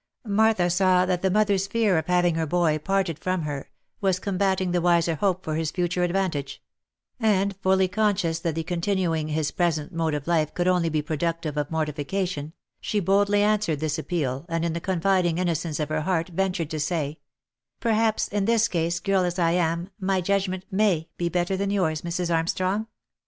Martha saw that the mother's fear of having her boy parted from her, was combating the wiser hope for his future advantage ; and fully con scious that the continuing his present mode of life could only be produc tive of mortification, she boldly answered this appeal, and in the confiding innocence of her heart ventured to say, "Perhaps, in this case, girl as I am, my judgment way be better than yours, Mrs. Armstrong.